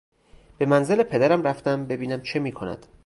به منزل پدرم رفتم ببینم چه میکند.